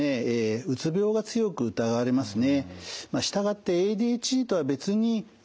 うつ病が強く疑われますね。